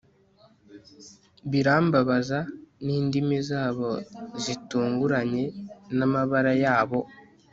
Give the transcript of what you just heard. birambabaza n'indimi zabo zitunguranye n'amabara yabo